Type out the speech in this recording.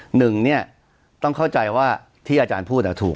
หนึ่งเนี่ยต้องเข้าใจว่าที่อาจารย์พูดถูก